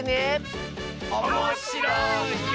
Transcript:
おもしろいよ！